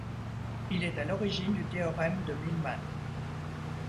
Il est à l'origine du théorème de Millman.